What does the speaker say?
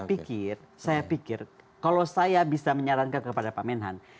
jadi saya pikir kalau saya bisa menyarankan kepada pak men han